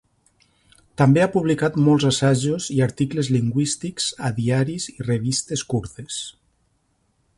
També ha publicat molts assajos i articles lingüístics a diaris i revistes kurdes.